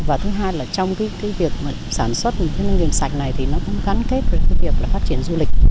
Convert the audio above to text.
và thứ hai là trong việc sản xuất nông nghiệp sạch này thì nó cũng gắn kết với việc phát triển du lịch